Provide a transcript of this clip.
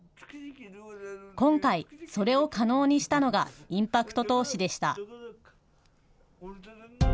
今回、それを可能にしたのがインパクト投資でした。